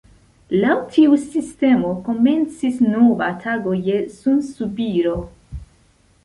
Laŭ tiu sistemo komencis nova tago je sunsubiro.